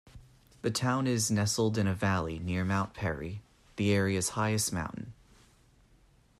The town is nestled in a valley near Mount Perry, the area's highest mountain.